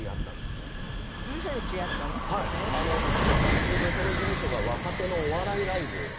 それでその事務所が若手のお笑いライブ